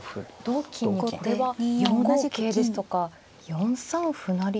同金にこれは４五桂ですとか４三歩成と。